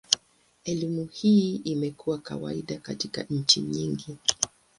Elimu hii imekuwa kawaida katika nchi nyingi.